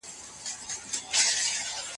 که تاسي ناروغه شئ، نو کار مه کوئ.